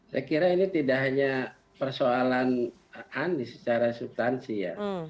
saya kira ini tidak hanya persoalan anies secara subtansi ya